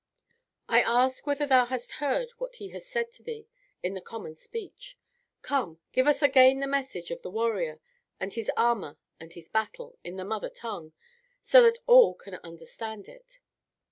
I ask whether thou hast heard what He has said to thee in the common speech. Come, give us again the message of the warrior and his armour and his battle, in the mother tongue, so that all can understand it."